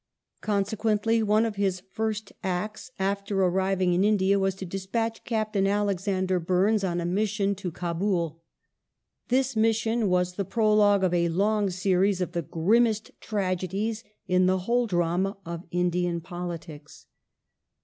Consequently one of his first acts after arriving in India was The open to despatch Captain Alexander Burnes on a mission to Kdbul. '"^ofthe This mission was the prologue to a long series of the grimmest question tragedies in the whole drama of Indian politics.